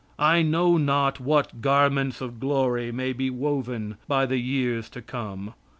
I know not what garments of glory may be woven by the years to come.